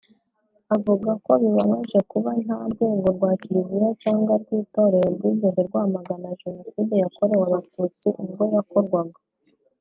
Avuga ko bibabaje kuba nta rwego rwa Kiriziya cyangwa rw’itorero rwigeze rwamagana Jenoside yakorewe Abatutsi ubwo yakorwaga